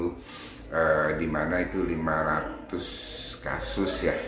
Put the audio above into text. jadi kita harus berharap